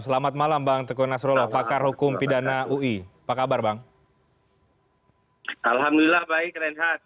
selamat malam bang teguh nasrullah pakar hukum pidana ui pak kabar bang alhamdulillah baik rehat